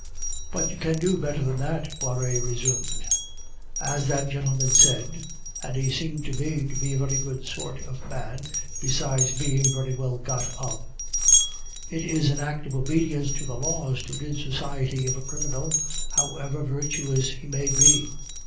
"But you can do better than that," Poiret resumed. "As that gentleman said (and he seemed to me to be a very good sort of man, besides being very well got up), it is an act of obedience to the laws to rid society of a criminal, however virtuous he may be.